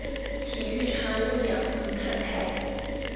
体育场有两层看台。